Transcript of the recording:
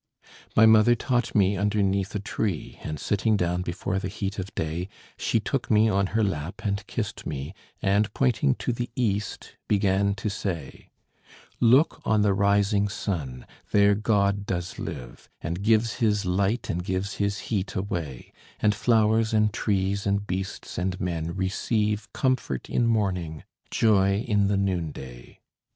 My mother taught me underneath a tree, And sitting down before the heat of day, She took me on her lap and kissed me, And, pointing to the East, began to say: "Look on the rising sun: there God does live, And gives his light, and gives his heat away, And flowers and trees and beasts and men receive Comfort in morning, joy in the noonday.